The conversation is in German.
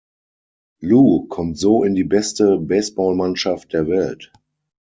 Lou kommt so in die beste Baseballmannschaft der Welt.